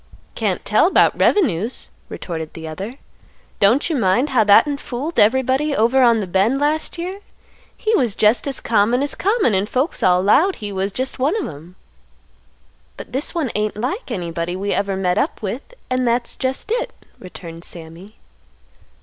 "Can't tell 'bout revenues," retorted the other. "Don't you mind how that'n fooled everybody over on th' bend last year? He was jest as common as common, and folks all 'lowed he was just one of 'em." "But this one ain't like anybody that we ever met up with, and that's jest it," returned Sammy.